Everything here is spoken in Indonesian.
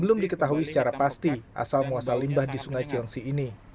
belum diketahui secara pasti asal muasal limbah di sungai cilengsi ini